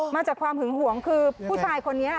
มาจากความหึงหวงคือผู้ชายคนนี้